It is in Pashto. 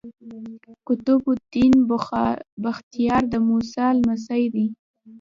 قطب الدین بختیار د موسی لمسی دﺉ.